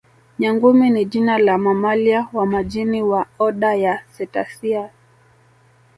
Nyangumi ni jina la mamalia wa majini wa oda ya Cetacea